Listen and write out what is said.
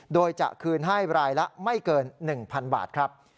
โดยจะคืนให้รายละไม่เกิน๑๐๐๐บาทครับ